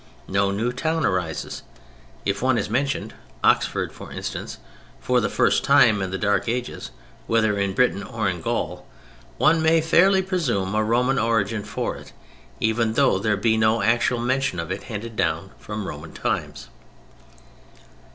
No new town arises. If one is mentioned (Oxford, for instance) for the first time in the Dark Ages, whether in Britain or in Gaul, one may fairly presume a Roman origin for it, even though there be no actual mention of it handed down from Roman times.